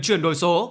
chuyển đổi số